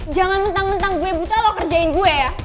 jangan mentang mentang gue buta loh kerjain gue ya